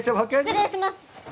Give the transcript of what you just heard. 失礼します！